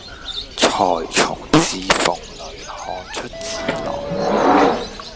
纔從字縫裏看出字來，